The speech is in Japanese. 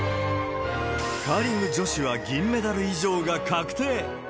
カーリング女子は銀メダル以上が確定。